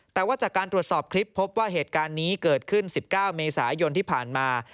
แต่ว่าจากการตรวจสอบคลิปพบว่าเหตุการณ์นี้เกิดขึ้น๑๙เมษายนที่ผ่านมา